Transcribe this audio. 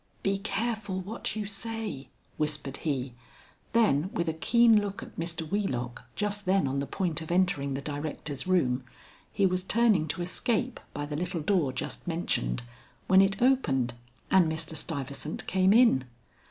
"Be careful what you say," whispered he; then with a keen look at Mr. Wheelock just then on the point of entering the directors' room, he was turning to escape by the little door just mentioned, when it opened and Mr. Stuyvesant came in.